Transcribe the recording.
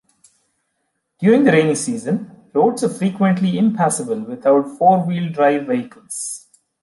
During the rainy season, roads are frequently impassable without four-wheel drive vehicles.